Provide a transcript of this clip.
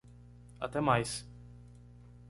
Até mais!